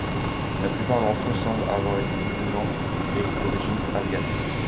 La plupart d'entre eux semblent avoir été musulmans et d'origine afghane.